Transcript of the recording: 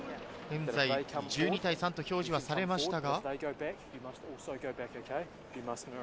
１２対３と表示されましたが。